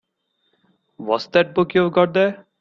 What's that book you've got there?